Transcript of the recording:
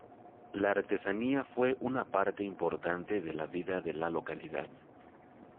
La artesanía fue una parte importante de la vida de la localidad.